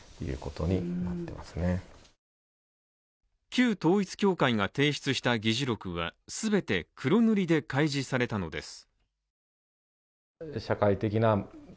旧統一教会が提出した議事録は全て黒塗りで開示されたのです。